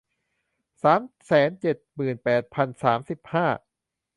สามแสนเจ็ดหมื่นแปดพันสามสิบห้า